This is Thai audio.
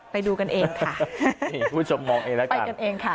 ไปดูกันเองค่ะไปกันเองค่ะ